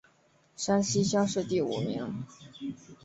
山西乡试第五名。